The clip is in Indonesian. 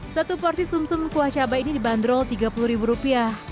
satu porsi sum sum kuah cabai ini dibanderol tiga puluh ribu rupiah